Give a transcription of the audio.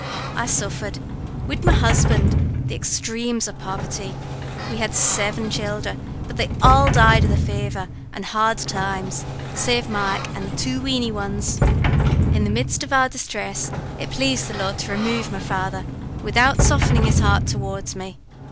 I suffered, wid my husband, the extremes of poverty: we had seven childer, but they all died of the faver, and hard times, save Mike and the two weeny ones. In the midst of our disthress, it plased the Lord to remove my father, widout softenin' his heart towards me.